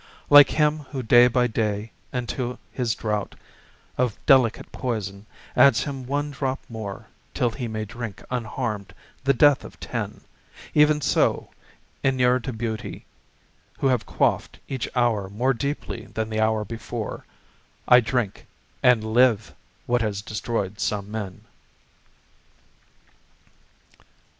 Like him who day by day unto his draught Of delicate poison adds him one drop more Till he may drink unharmed the death of ten, Even so, inured to beauty, who have quaffed Each hour more deeply than the hour before, I drink and live what has destroyed some men.